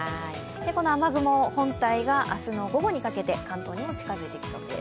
この雨雲本体が明日の午後にかけて関東にも近づく見込みです。